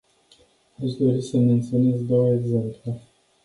Aș dori să menționez două exemple.